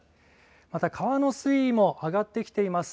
また川の水位も上がってきています。